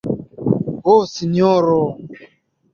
Ho, Sinjoro!